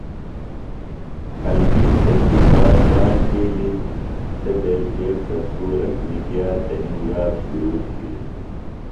خلکِیم تسی بات کاݨ تِھیلیۡ۔ سےۡ بیلچے تھسکُورہ گِھنیۡ گیہ تںِم یاب شرو تِھیلیۡ۔